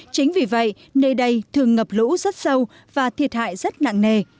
chính vì vậy nơi đây thường ngập lũ rất sâu và thiệt hại rất nặng nề